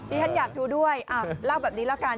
ฉันอยากดูด้วยเล่าแบบนี้ละกัน